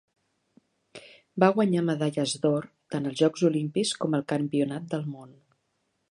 Va guanyar medalles d'or tant als Jocs Olímpics com al campionat del món.